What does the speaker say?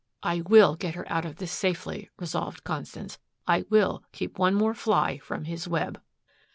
"I WILL get her out of this safely," resolved Constance. "I WILL keep one more fly from his web."